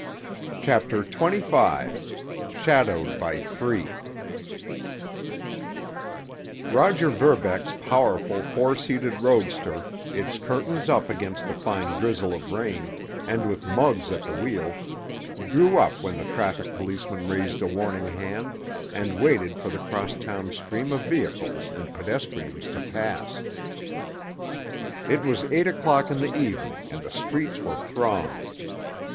CHAPTER XXV—SHADOWED BY THREE Roger Verbeck's powerful, four seated roadster, its curtains up against the fine drizzle of rain, and with Muggs at the wheel, drew up when the traffic policeman raised a warning hand, and waited for the cross town stream of vehicles and pedestrians to pass. It was eight o'clock in the evening, and the streets were thronged.